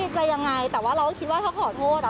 จะยังไงแต่ว่าเราก็คิดว่าถ้าขอโทษอ่ะ